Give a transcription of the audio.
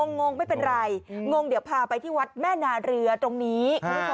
งงไม่เป็นไรงงเดี๋ยวพาไปที่วัดแม่งหนาเรือตรงนี้